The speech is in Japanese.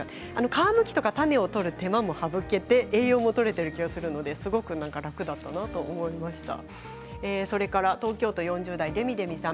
皮むきとか種を取る手間も省けて栄養をとれている気がするのですごく楽だったなと思いました。